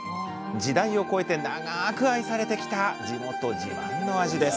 時代を超えて長く愛されてきた地元自慢の味です